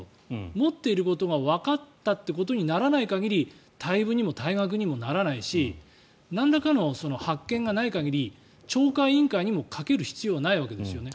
持っていることがわかったとならない限り退部にも退学にもならないしなんらかの発見がない限り懲戒委員会にもかける必要がないわけですね。